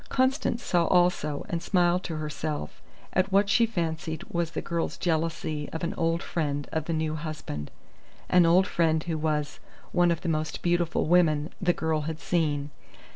Constance saw also, and smiled to herself at what she fancied was the girl's jealousy of an old friend of the new husband an old friend who was "one of the most beautiful women" the girl had seen.